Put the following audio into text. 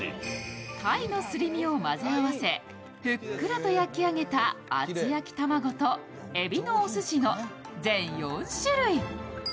たいのすり身を混ぜ合わせ、ふっくらと焼き上げた厚焼き卵とえびのお寿司の全４種類。